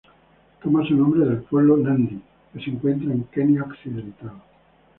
Toma su nombre del pueblo Nandi que se encuentra en Kenia occidental.